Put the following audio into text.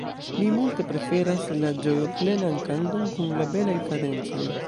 Mi multe preferas la ĝojoplenan kanton kun la belaj kadencoj.